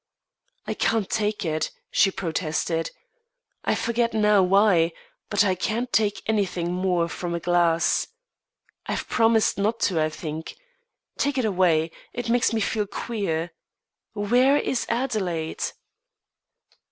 "I can't take it," she protested. "I forget now why, but I can't take anything more from a glass. I've promised not to, I think. Take it away; it makes me feel queer. Where is Adelaide?"